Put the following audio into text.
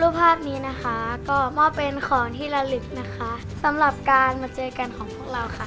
ภาพนี้นะคะก็มอบเป็นของที่ละลึกนะคะสำหรับการมาเจอกันของพวกเราค่ะ